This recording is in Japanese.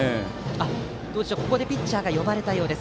ここでピッチャーが呼ばれたようです。